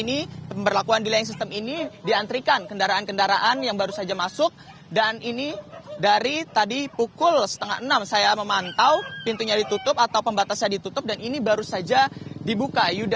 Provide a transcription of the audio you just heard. ini dari tadi pukul setengah enam saya memantau pintunya ditutup atau pembatasnya ditutup dan ini baru saja dibuka